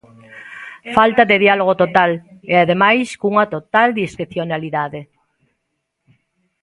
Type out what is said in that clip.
Falta de diálogo total, e ademais cunha total discrecionalidade.